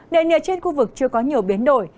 nền nhiệt trên khu vực chưa có nhiều biến đổi